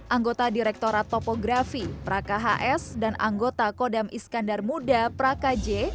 anggota direktora topografi praka hs dan anggota kodam iskandar muda praka j